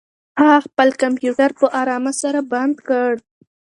هغه خپل کمپیوټر په ارامه سره بند کړ.